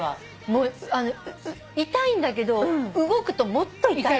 もうあの痛いんだけど動くともっと痛いから。